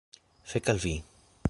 Fek' al vi!